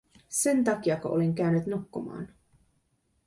Sen takiako olin käynyt nukkumaan?